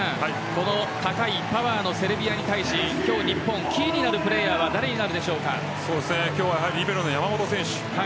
この高いパワーのセルビアに対し今日、日本キーになるプレーヤーは今日はリベロの山本選手。